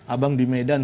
abang di medan